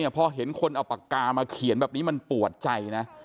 พอเห็นคนเอาปากกามาเขียนแบบนี้มันปวดใจนะ